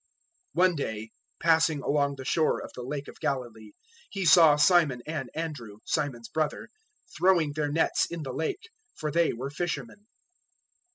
001:016 One day, passing along the shore of the Lake of Galilee, He saw Simon and Andrew, Simon's brother, throwing their nets in the Lake; for they were fisherman.